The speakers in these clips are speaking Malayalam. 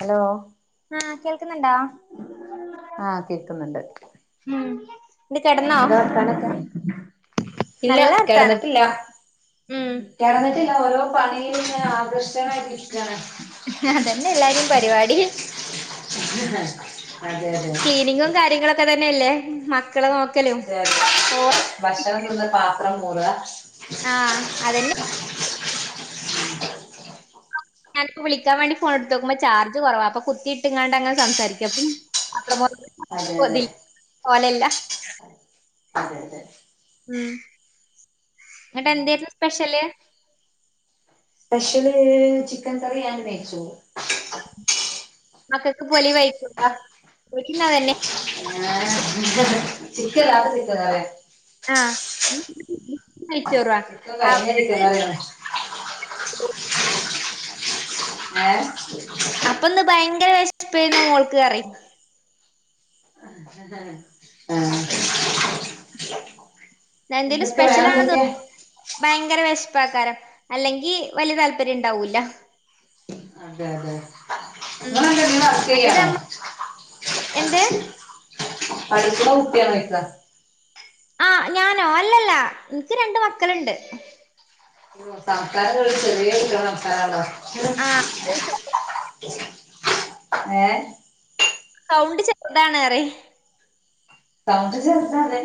ഹലോ. ആഹ് കേൾക്കുന്നുണ്ടോ? ആഹ് കേക്ക്ന്ന്ൺട്. ഉം എന്തേ കിടന്നൊ? വർത്താനൊക്കെ ഇല്ല നല്ല വർത്താനം ഉം. കടന്നിട്ടില്ല ഓരോ പണിൽ ഇങ്ങനെ ആകർഷ്ടനായിരിക്കാണ്. അതന്നെ എല്ലാരും പരിപാടി. [unintelligible] ക്ലീനിങ്ങും കാര്യങ്ങളൊക്കെ തന്നെയല്ലേ മക്കളെ നോക്ക അതെ അതെ ഭക്ഷണം തുന്ന് പാത്രം മോറ. ആഹ് അതെന്നെ. ഞാനിപ്പോ വിളിക്കാൻ വേണ്ടി ഫോൺ എടുത്ത നോക്കുമ്പൊ ചാർജ് കൊറവാ അപ്പൊ കുത്തിട്ടകണ്ട് അങ്ങെനെ സംസാരിക്കപ്പൊ. അതെ അതെ [unintelligible] അതെ അതെ. ഉം എന്നിട്ട് എന്തായിരുന്നു special? Special chicken curry and നെയ്‌ച്ചോർ മക്കൾക്ക് പൊലി വൈബ് ഓല്ക് അതന്നെ. [unintelligible] ആഹ്. നെയ്‌ച്ചോറാ ചിക്കൻ [unintelligible] ഏഹ് അപ്പൊ ഇന്ന് ഭയങ്കര വിശപ്പെന് മോൾക്ക് പറയെ ആഹ് എന്തേലും എന്തൊക്കെ വേറെ സ്പെഷ്യലാണെന്ന് എന്തൊക്കെ ഭയങ്കര വിശപ്പാക്കാരം അല്ലെങ്കിൽ വല്യ താല്പര്യം ഉണ്ടാവൂല. അതെ അതെ ഉം നിങ്ങളെന്തങ്കിലും വർക്ക മറ്റേത് യ്യാണോ? നമ്മ എന്ത് പടിക്ക്ണ കുട്ടി ആണോ ചോയ്ക്ക ആഹ് ഞാനോ അല്ലല്ല ഇൻക്കി രണ്ട് മക്കളുണ്ട് സംസാരം കേട്ടിട്ട് ചെറിയ കുട്ടികളെ സംസാരാണല്ലോ ആഹ് ഏഹ് സൗണ്ട് ചെറുതാണ് റി സൗണ്ട് ചെറുതാ തന്നെ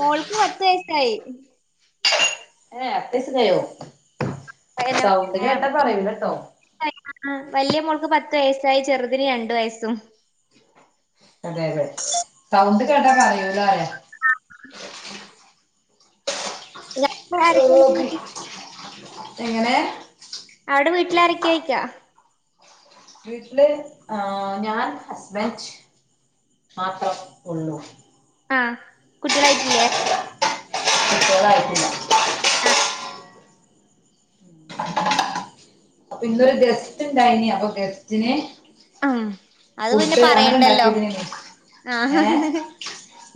മോൾക്ക് പത്ത് വയസ്സായി ഏഹ് പത്ത് വയസ്സായോ സൗണ്ട് കേട്ടാ പറയൂല ട്ടോ വല്യ മോൾക്ക് പത്ത് വയസ്സായി ചെറുതിന് രണ്ട് വയസും അതെ അതെ സൗണ്ട് കേട്ടാ പറയൂല റയ ഞ [unintelligible] എങ്ങനെ അവിടെ വീട്ടില് ആരൊക്കെ യ്ക്യ വീട്ടില് ആ ഞാൻ ഹസ്ബന്റ് മാത്രം ഉള്ളൂ ആഹ് കുട്യളായിട്ടില്ലേ? നെയ്ചോറായിട്ടില്ല ആഹ് ഇന്നൊരു ഗസ്റ്റ് ഇണ്ടായിന് അപ്പൊ ഗസ്റ്റിന് ഉം അത് പിന്നെ ഫുഡ് അങ്ങനെ പറയണ്ടല്ലോ ഉണ്ടാക്കിയതിന് ആഹ് ഹ് ഹ് ഏഹ് ഹ് ഹ്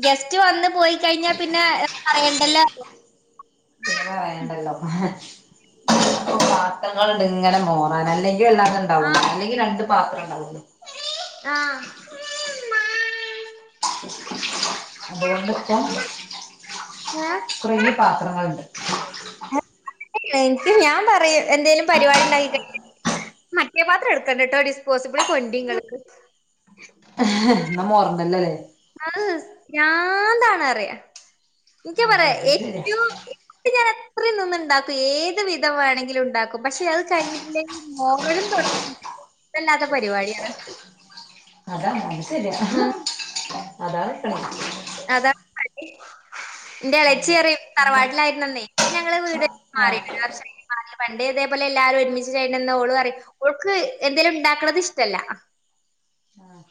ഗെസ്റ്റ് വന്ന് പോയി കഴിഞ്ഞാ പിന്നെ പറയണ്ടല്ലോ ര്യ പിന്നെ പറയണ്ടല്ലോ ഹ് ഹ പാത്രങ്ങളുണ്ട് ഇങ്ങനെ മോറാൻ അല്ലെങ്കിൽ വല്ലാതെ ഇണ്ടാവുല അല്ലെങ്കി രണ്ട് പാത്രം ണ്ടാവുള്ളൂ ഈ ആഹ് ഈ മ്മാ അതുകൊണ്ട്പ്പം കുറേ പാത്രങ്ങളുണ്ട് എനിക്ക് ഞാൻ പറയും എന്തേലും പരിപാടി ണ്ടാക്കി കഴി മറ്റേ പാത്രം എടുക്കണ്ട കേട്ടോ ഡിസ്പോസിബിൾ കൊണ്ടിങ്ങൾക്ക് ഹ് ഹ് ന്നാ മോറണ്ടല്ലോ ലെ അഹ് ഭ്രാന്താണ്റയ നിക്ക് അതെ പറയാ അത് ശരിയാ ഏറ്റവും- അത് ഞാനത്രയും നിന്ന് ഉണ്ടാക്കും ഏത് വിധം വെണെങ്കിലും ണ്ടാക്കും. പക്ഷെ അത് കഴിഞ്ഞിട്ടിണ്ടേല് മോറലും തൊടക്കലും ഇഷ്ടല്ലാത്ത പരിപാടിയാണ്. അതാണ് അത് ശെരിയാ ഉം അതാ പ്രശ്നം അതാണ് ഇന്റെ ഉം. ഇളച്ചിയറിയും എന്താ തറവാട്ടിലായിരുന്നന്നേ ഇപ്പ ഞങ്ങള് വീട് വെച്ച് ആ മാറി ഒരു പിന്നെ നമ്മള് വീട് മാറി വർഷായി മാറി പണ്ട് തേപോലെ എല്ലാരും ഒരുമിച്ചു ചെയ്യണന്ന് ഓളു പറയും. ഓൾക്ക് എന്തേലും ണ്ടാക്കണത് ഇഷ്ടല്ല ആഹ്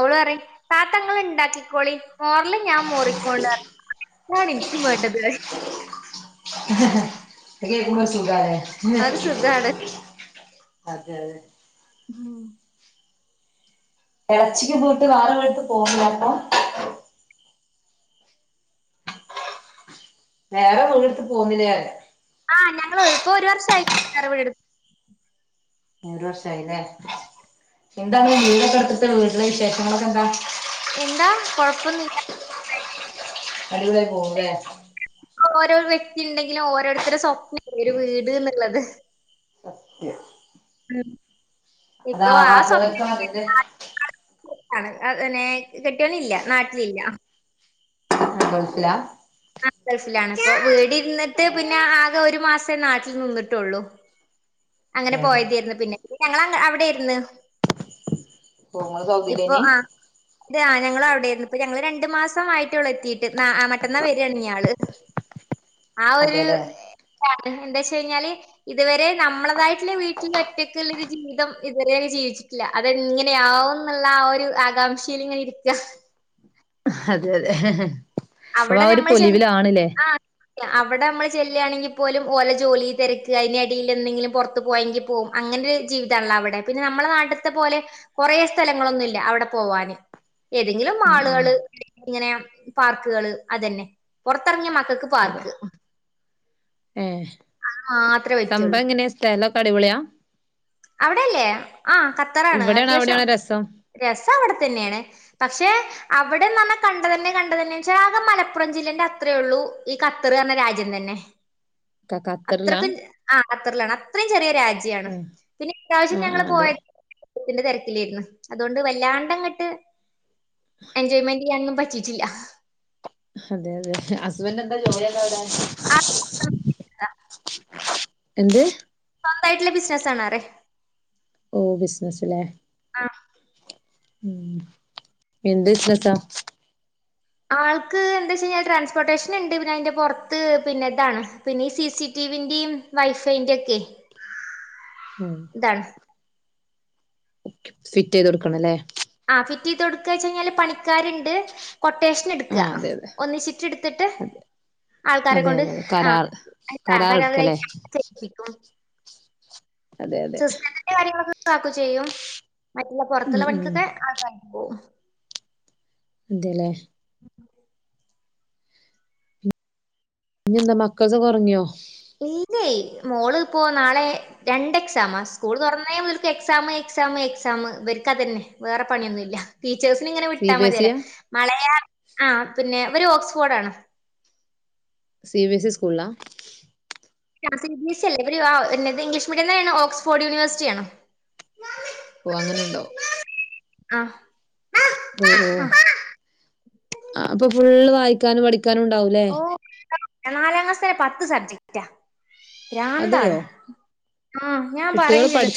ഓള് പറയും താത്ത ഇങ്ങള് ണ്ടാക്കിക്കോളി മോറല് ഞാൻ മോറിക്കൊണ്ട് പറയും അതാണ് ഇൻക്കും വേണ്ടത് റയും ഹ് ഹ് അത് കേക്കുബോ സുഗാല്ലേ അത് സുഖാണ് അതെഅതെ ഉം എറച്ചിക്ക് [unintelligible] വാറെ വിട്ട് പോണ്ണില്ലെ പ്പൊ വേറെ വീടെട്ത്ത് പോന്നില്ലേ ആഹ് ഞങ്ങള് ഇപ്പ ഒരു വർഷായി വേറെ വീടെട് ഹേ ഒരു വർഷായില്ലേ എന്താണ് വീടൊക്കെ എടുത്തട്ട് വീട്ടിലെ വിശേഷങ്ങളൊക്കെ എന്താ എന്താ കൊഴപ്പൊന്നില്ല അടിപൊളിയായി പോവുല്ലേ ഓരോ വ്യക്തി ഇണ്ടെങ്കിലും ഓരോരുത്തരുടെ സ്വപ്നല്ലേ ഒരു വീട്ന്ന്ള്ളത് [unintelligible] ഉം ഇപ്പൊ ആ അതാവാത്തവർക്ക് സ്വപ്നാണെങ്കിലും അതിന്റെ [inaudible] ആണ് അതന്നെ കെട്ട്യോനില്ല നാട്ടിലില്ല ഹേ ഗൾഫിലാ ആ ഗൾഫ്‌ലാണ് അപ്പൊ വീടിരുന്നിട്ട് പിന്നെ ആകെ ഒരു മാസേ നാട്ടിൽ നിന്നിട്ടുള്ളൂ അങ്ങനെ അതെ അതെ പോയതേര്ന്നു പിന്നെ ഞങ്ങള് അങ്ങ് അവിടേരുന്ന് ഓ ഇങ്ങള് ഇപ്പൊ സൗദിയിലേനി ആഹ് അതെ ഞങ്ങളു അവിടേര്ന്നു ഇപ്പൊ ഞങ്ങള് രണ്ട് മാസം ആയിട്ടേ ഉള്ളൂ എത്തിയി ട്ട് ന്നാ മറ്റന്നാ വരിയാണ് ഇഞാള് ആ ഒര് അതെല്ലേ [unintelligible] ഇഞ്ഞെന്താ വെച്ച് കഴിഞ്ഞാല് ഇതുവരെ നമ്മള തായിട്ടുള്ള വീട്ടില് ഒറ്റക്ക് ല്ലൊരു ജീവിതം ഇതുവരെ ജീവിച്ചിട്ടില്ല അതെങ്ങനെയാവുന്നുള്ള ആ ഒരു ആകാം ഷീലിങ്ങായിരിക്ക അതെ അതെ. അപ്പൊ ആ ഒരു പൊലിവിലാണ് ല്ലേ അവടെ നമ്മൾ ചെല്ലാണെങ്കി പോലും ഓലെ ജോലി തെരക്ക് അയിനെടീല് എന്തെങ്കിലും പൊറത്ത് പോയെങ്കി പോവും. അങ്ങനൊരു ജീവിതാണല്ലോ അവടെ. പിന്നെ നമ്മള നാട്ടിത്തെ പോലെ കൊറേ സ്ഥലങ്ങളൊന്നുല്ല അവിടെ പോവാന്. ഏതെങ്കിലും ഉം ഉം മാളുകള് ഇങ്ങനെ പാർക്ക് കള് അതന്നെ പൊറത്തെറങ്ങിയ മക്കക്ക് അതെ പാർക്ക്. ഏഹ് മാത്രേ സംഭവം പറ്റുള്ളൂ എങ്ങനെ സ്ഥലൊക്കെ അടിപൊളിയാ. അവിടെയല്ലേ ആഹ് ഖത്തറാണ് ഇവിടെയാണോ അത്യാവശ്യം അവിടെയാണോ രസം രസം അവിടെ തന്നേണ് പക്ഷേ അവിടെന്ന് പറഞ്ഞാ കണ്ടതന്നെ കണ്ടതന്നെ വെച്ചാ ആകെ മലപ്പുറം ജില്ലന്റെ അത്രേയൊള്ളൂ ഈ ഖത്തറ് പർഞ്ഞ രാജ്യം തന്നെ. ക ഖത്തറിലാ അത്രയ്ക്കും ആഹ് ഖത്തറിലാണ് അത്രിം ചെറിയ രാജ്യാണ് ആഹ് പിന്നെ ഇപ്രാവശ്യം ആഹ് ഞങ്ങള് ആഹ് പോയ അതെ [inaudible] ത്തിന്റെ തെരക്കിലേര്ന്ന്. അതുകൊണ്ട് വല്ലാണ്ടങ്ങട്ട് എൻജോയ്മെന്റ് ചെയ്യാനൊന്നും പറ്റിയിട്ടില്ല. അതെ അതെ ഹസ്ബൻറ് എന്താ ജോലിയെന്താവിടെ ആ [inaudible] എന്ത്? സ്വന്തായിട്ട്ല്ല ബിസിനസാണറ്യ. ഓഹ് ബിസിനസ് ലെ. ആഹ് ഉം എന്ത് ബിസ്നസാ? ആൾക്ക് എന്താ വെച്ച് കഴിഞ്ഞാ ട്രാൻസ്പോർട്ടേഷൻ ഇണ്ട് പിന്നെ അയിന്റെ പൊറത്ത് പിന്നെ ഇതാണ് പിന്നെ ഈ സി സി ടി വി ൻ്റിം വൈഫൈൻ്റ്യൊക്കെ മ്മ് താണ് ഫിറ്റ് ചെയ്ത് കൊടുക്കണല്ലേ ആഹ് ഫിറ്റ് ചെയ്ത് കൊടുക്കാ വെച്ച് കഴിഞ്ഞാല് പണിക്കാര്ണ്ട് കൊട്ടേഷൻ ഇട് ക്കാ ആഹ് അതെ അതെ ഒന്നിച്ചിട്ട് ഇട്ത്തിട്ട് അതെ ആൾക്കാരെ അതെ കൊണ്ട് അതെ അതെ കരാർ ആഹ് [inaudible] കരാർ കാരെ കൊണ്ട് എടുക്കല്ലേ ചെയ്പ്പിക്കും അതെ അതെ സിസ്റ്റത്തിന്റെ കാര്യങ്ങളൊക്കെ കാക്കു ചെയ്യും മറ്റുള്ള ഉം പൊറത്തുള്ള ഉം പണിക്കൊക്കെ ആൾക്കാര് പോവും. അതേല്ലേ ഇനി എന്താ മക്കൾസൊക്കൊറങ്ങിയോ? ഇല്ലേയ് മോള് ഇപ്പോ നാളെ രണ്ട് എക്സാമാ. സ്കൂൾ തുറന്നെ മുതൽക്ക് എക്സാം എക്സാം എക്സാം ഇവര്ക്കതന്നെ വേറെ പണിയൊന്നുല്ല. ടീച്ചേഴ്സിന് ഇങ്ങനെ സി വിട്ടാ ബി എസ് മതിയല്ലോ. ഇയാ മളേ ആഹ് പിന്നെ ഇവര് ഓക്സ്ഫോർഡാണ്. സി ബി എസ് ഇ സ്കൂളിലാ? ആഹ് സി ബി എസ് ഇ അല്ല. ഇവര് ആഹ് ഇന്നത് ഇംഗ്ലീഷ് മീഡിയം തന്നെയാണ് ഓക്സ്ഫോർഡ് യൂണിവേഴ്സിറ്റി ആണ് ഓഹ് അങ്ങനെണ്ടോ? ആഹ് ഓഹ് ഓഹ് അപ്പൊ ഫുള്ള് വായിക്കാനും പഠിക്കാനും ഉണ്ടാവൂലേ. ണ്ടാവും. നാലാം ക്ലാസ് വരെ പത്ത് സബ്ജക് റ്റാ. പ്രാന്താണ് അതെയോ ആഹ് ഞാൻ പറയും ചെയ്ത്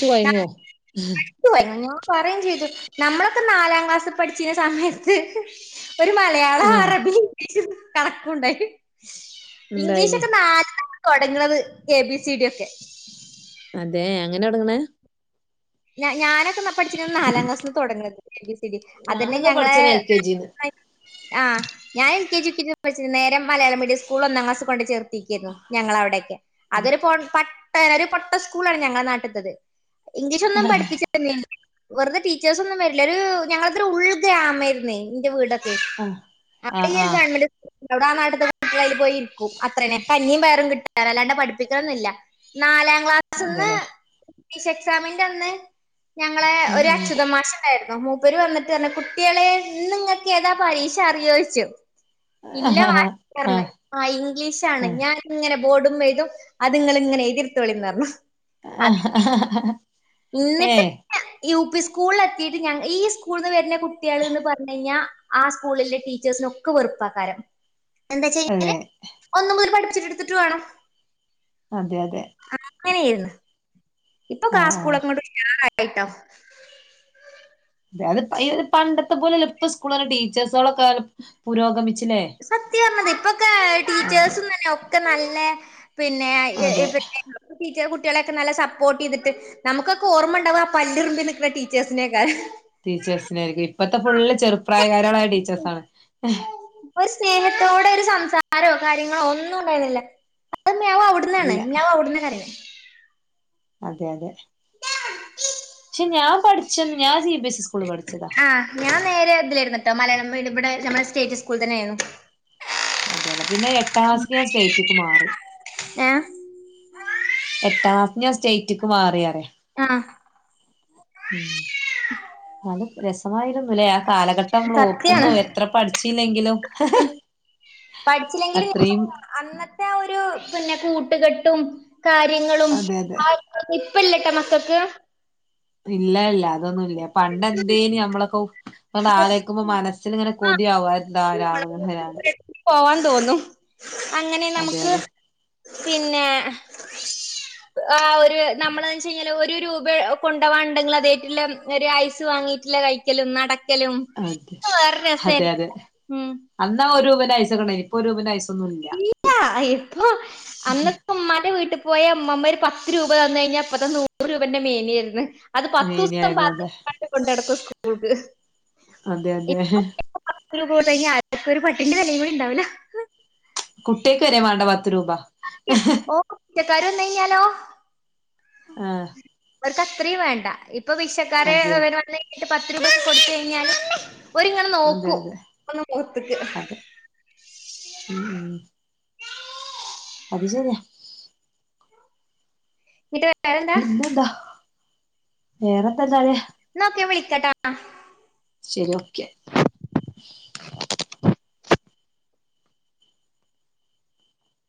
ഉഹും [unintelligible] ഞങ്ങള് പറയും ചെയ്തു നമ്മളൊക്കെ നാലാം ക്ലാസ് പഠിച്ചീന സമയത്ത് ഒരു മലയാളം ആഹ് അറബി ഇംഗ്ലീഷ് കണക്കുണ്ടായി ഉണ്ടായിനി ഇംഗ്ലീഷൊക്കെ നാലിന്നാണ് തുടങ്ങണത് എ ബി സി ഡി യൊക്കെ അതെ അങ്ങനെ തൊടങ്ങ്ണെ ഞാ ഞാനൊക്കെ ന പഠിച്ചിന നാലാം ക്ലാസിന്ന് തുടങ്ങണ് എ ബി സി ഡി അതന്നെ ഞാനൊക്കെ ഞങ്ങളെ പഠിച്ചത് എൽ കെ ജിന്ന് [unintelligible] ആഹ് ഞാൻ L K G U K G ഒന്നും പഠിച്ചില്ല നേരെ മലയാളം മീഡിയം സ്കൂളിൽ ഒന്നാം ക്ലസിൽ കൊണ്ട് ചേർത്തിയിക്കായിരുന്നു ഞങ്ങളെ അവിടൊക്കെ അതൊരു പൊ പട്ട ഒരു പൊട്ട സ്കൂളാണ് ഞങ്ങളുടെ നാട്ടിലത്തേത് ഇംഗ്ലീഷൊന്നും പഠിപ്പിച്ച വെറുതെ ടീച്ചേഴ്സൊന്നും വരില്ല ഒരു ഞങ്ങളതൊരു ഉൾഗ്രാമായിരുന്നേ ഇന്റെ വീടൊ അവിടെ ആഹ് ഈ ആഹ് യ്യൊരു ആഹ് ഗവൺമെന്റ് ഇവിടാ നാട്ടിത്തെ [inaudible] പോയി ഇരിക്കും അത്രേന്നെ കഞ്ഞിയും പയറും കിട്ടാൻ അല്ലാണ്ട് പഠിപ്പിക്കണൊന്നുല്ല നാലാം ക്ലാ അതെല്ലേ ഇംഗ്ലീഷ് എക്സാമിന്റെ അന്ന് ഞങ്ങള് ഉം ഒരു ഉം അച്ചുതൻ മാഷും ണ്ടായിരുന്നു മൂപ്പര് വന്നിട്ട് പറഞ്ഞു കുട്ട്യാളെ ഇന്ന് നിങ്ങക്ക് ഏതാ പരീക്ഷ അറിയോ ചോദിച്ചു ഇല്ല വാ പറഞ്ഞ് ആഹ് ഇംഗ്ലീഷാണ് ആഹ് ഞാൻ ഇങ്ങനെ ബോഡുമ്മേ എഴുതും അത്ങ്ങള് ഇങ്ങനെ എഴുതി എടുത്തോളിൻ പറഞ്ഞു അത് ആഹ് എന്നിട്ട് പിന്നെ യു പി സ്കൂളിൽ എത്തിയിട്ട് ഞാ ഈ സ്കൂളിൽ നിന്ന് വരുന്ന കുട്ട്യാളെന്ന് പറഞ്ഞു കഴിഞ്ഞാൽ ആഹ് സ്കൂളിലെ ടീച്ചേഴ്സിനൊക്കെ വെറുപ്പാക്കാരം എന്താച്ചെ അതെ കഴിഞ്ഞാല് ഒന്നും കൂടെ പഠിപ്പിച്ചിട്ടെടുത്തിട്ട് വേണം അതെ അതെ ആഹ് അങ്ങനെയായിരുന്ന് ഇപ്പോക്കെ ആഹ് സ്കൂള് അങ്ങോട്ട് ഉഷാറായിട്ടോ അതെ അത് ഈ പണ്ടത്തെ പോലെയല്ല ഇപ്പ സ്കൂളുകളെ ടീച്ചേഴ്സുകളൊക്കെ പുരോഗമിച്ചില്ലേ സത്യാ പറഞ്ഞത് ഇപ്പൊക്കെ ആ ടീച്ചേഴ്സും തന്നെ ഒക്കെ നല്ല പിന്നെ അതെ എഫക്ട്ടിവ് ടീച്ചർ കുട്ടികളെയൊക്കെ നല്ല സപ്പോർട്ട് ചെയ്തിട്ട് നമുക്കൊക്കെ ഓർമ്മ ഇണ്ടാവ്വാ ആ പല്ലിറുമ്പി നിൽക്കുന്ന ടീച്ചേഴസിനെയൊക്കാെ ടീച്ചേഴ്സിനായിരിക്കും ഇപ്പഴത്തെ ഫുള്ള് ചെറുപ്രായകാരികളായ ടീച്ചേഴ്സാണ് ഒരു സ്നേഹത്തോടെ ഒരു സംസാരോ കാര്യങ്ങളോ ഒന്നും ഉണ്ടായിരുന്നില്ല അത് [unintelligible] അവിടെ ന്നാണ് ഇല്ല [unintelligible] അതെ അതെ പക്ഷെ ഞാൻ പഠിച്ചത് ഞാൻ സി ബി എസ് ഇ സ്കൂളിൽ പഠിച്ചതാ ആ ഞാൻ നേരെ ഇതിലായിരുന്നുട്ടോ മലയാളം മീഡി ഇവിടെ നമ്മുടെ സ്റ്റേറ്റ് സ്കൂളി തന്നെയായിരുന്നു അതെല്ലേ പിന്നെ എട്ടാക്ലാസിക്ക് ഞാൻ സ്റ്റേറ്റിക്ക് മാറി ഏഹ് എട്ടാം ക്ലാസില് ഞാൻ സ്റ്റേറ്റിക്ക് മാറി പറേ ആഹ് ഉമ് ന്നാലും രസമായിരുന്നു ല്ലേ ആഹ് കാലഘട്ടങ്ങൾ സത്യാണ് ഓർക്കുന്നു എത്ര പഠിച്ചില്ലെങ്കിലും ഉം പഠിച്ചില്ലെങ്കിലും അത്രയും [unintelligible] അന്നത്തെ ഒരു പിന്നെ കൂട്ടുകെട്ടും കാര്യങ്ങളും അതെ അതെ ആഹ് ഒരു- ഇപ്പോയില്ലാട്ടോ മക്കക്ക്. ഇല്ല ഇല്ല അതൊന്നുല്ല പണ്ട് എന്തേന് നമ്മളൊക്കെ ഇപ്പോ മാറി നിൽക്കുമ്പോ മനസ്സിൽ ഇങ്ങനെ കൊതിയാകുവാ എന്തോ രാവോ ഇങ്ങനെ- പോവാൻ തോന്നും അങ്ങനെ അതെ നമുക്ക് അതെ പിന്നെ ഉ [unintelligible] ആ് ഒരു നമ്മളന്ന് വെച്ച് കഴിഞ്ഞാൽ ഒരു രൂപ കൊണ്ടുപോകുവാൻ ഉണ്ടെങ്കിൽ അതായിട്ടുള്ള ഒരു ഐസ് വാങ്ങിയിട്ടുള്ള കഴി- കളിക്കലും നടക്കലും അതെ അതൊക്കെ വേറെ അതെ രസായിരുന്നു അതെ ഉമ് അന്നാ ഒരു രൂപന്റെ ഹൈസ് ണ്ടായിന് ഇപ്പൊ രൂപന്റെ ഹൈസ് ഇല്ല ഇപ്പൊ അന്ന് ഉമ്മാന്റെ വീട്ടിൽ പോയ ഉമ്മമ്മ ഒരു പത്ത് രൂപ തന്നു കഴിഞ്ഞാ ഇപ്പത്തെ നൂറ് രൂപേന്റെ മേലെ ആയിരുന്നു. അത് പത്തു മേനി ദിവസം അതെ പാത്രത്തീ കൊണ്ട് നടക്കും സ്കൂൾക്ക്. അതെ അതെ. ഒരു [unintelligible] ഒരു പട്ടിന്റെ വിലയും കൂടി ഉണ്ടാവില്ല. കുട്ടികൾക്ക് വരെ വേണ്ട പത്ത് രൂപ- ഓഹ് സത്യം പിച്ചക്കാര് വന്ന് കഴിഞ്ഞ ലോ? ആഹ്. അവർക്ക് അത്രയും വേണ്ട ഇപ്പോ ഭിക്ഷക്കാര് അതെ അതെ അവര് വന്ന് കഴിഞ്ഞിട്ട് പത്ത് രൂപ കൊടുത്ത് കഴിഞ്ഞാല്. ഒരിങ്ങനെ അതെ നോക്കൂ അതെ ഒന്ന് മുഖത്ത്ക്ക്. അതെ ഉം ഉം. അത് ശരിയാ. ഇങ്ങട്ട് വരു പിന്നെന്താ വേറെ എന്താ വച്ചാല്. എന്നാ ഓക്കെ ഞാൻ വിളിക്കാ കേട്ടോ എന്നാ. ശരി ഓക്കേ.